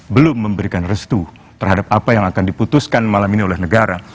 belum memberikan restu terhadap apa yang akan diputuskan malam ini oleh negara